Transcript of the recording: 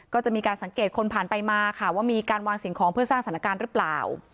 ก็จะมีการสังเกตคนผ่านไปมาค่ะว่ามีการวางสิ่งของเพื่อสร้างสถานการณ์หรือเปล่า